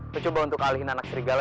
gue coba untuk alihin anak serigala